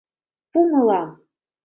Пу мылам!